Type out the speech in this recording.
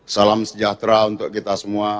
salam sejahtera untuk kita semua